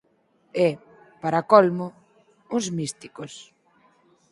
E, para colmo, uns místicos.